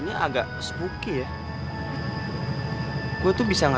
tuh tuh tuh tuh